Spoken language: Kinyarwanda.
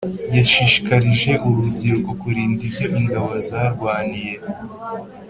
yashishikarije uru rubyiruko kurinda ibyo ingabo zarwaniye